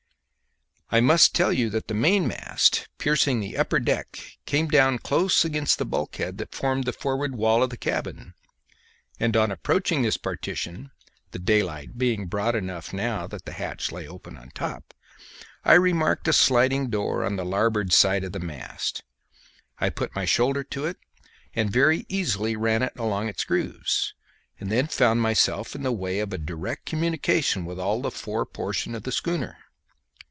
I must tell you that the mainmast, piercing the upper deck, came down close against the bulkhead that formed the forward wall of the cabin, and on approaching this partition, the daylight being broad enough now that the hatch lay open on top, I remarked a sliding door on the larboard side of the mast. I put my shoulder to it and very easily ran it along its grooves, and then found myself in the way of a direct communication with all the fore portion of the schooner.